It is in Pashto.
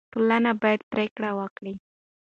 ټولنه باید پرېکړه وکړي.